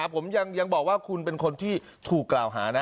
ผมยังบอกว่าคุณเป็นคนที่ถูกกล่าวหานะ